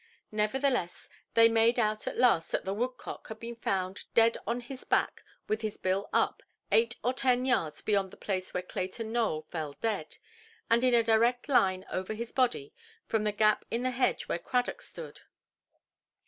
Nevertheless, they made out at last that the woodcock had been found, dead on his back, with his bill up, eight or ten yards beyond the place where Clayton Nowell fell dead, and in a direct line over his body from the gap in the hedge where Cradock stood.